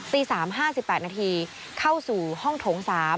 ตี๓ห้าสิบแปดนาทีเข้าสู่ห้องโถง๓